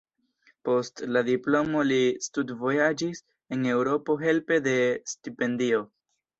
Post la diplomo li studvojaĝis en Eŭropo helpe de stipendio.